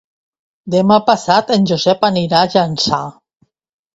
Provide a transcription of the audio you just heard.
Demà passat en Josep anirà a Llançà.